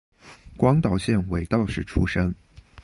广岛县尾道市出身。